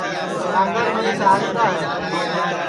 سانگڑ میچ ہری گا ہے